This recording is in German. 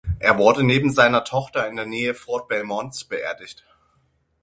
Er wurde neben seiner Tochter in der Nähe Fort Belmonts beerdigt.